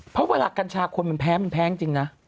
เพราะเวลากัญชาคนมันแพ้มันแพ้จริงนะ